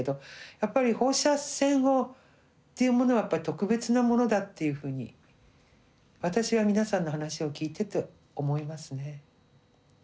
やっぱり放射線というものはやっぱり特別なものだというふうに私は皆さんの話を聞いてて思いますね。